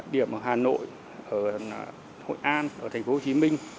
điểm ở hà nội hội an tp hcm